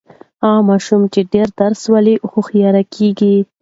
هغه ماشوم چې ډېر درس لولي، هوښیار کیږي.